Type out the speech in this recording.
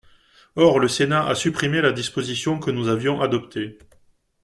Or le Sénat a supprimé la disposition que nous avions adoptée.